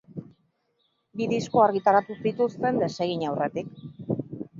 Bi disko argitaratu zituzten desegin aurretik.